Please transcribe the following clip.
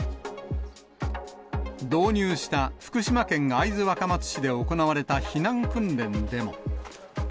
導入した福島県会津若松市で行われた避難訓練でも。